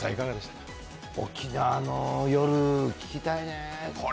沖縄の夜、聴きたいね。